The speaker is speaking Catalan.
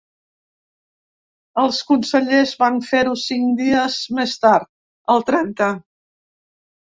Els consellers van fer-ho cinc dies més tard, el trenta.